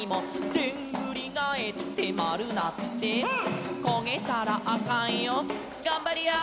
「でんぐりがえってまるなって」「こげたらあかんよがんばりやー」